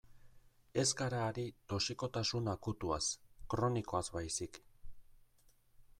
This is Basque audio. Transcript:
Ez gara ari toxikotasun akutuaz, kronikoaz baizik.